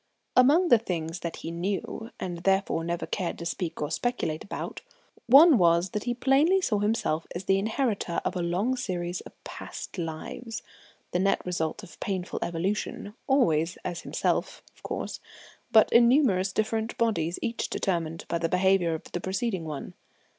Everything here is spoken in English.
Among the things that he knew, and therefore never cared to speak or speculate about, one was that he plainly saw himself as the inheritor of a long series of past lives, the net result of painful evolution, always as himself, of course, but in numerous different bodies each determined by the behaviour of the preceding one.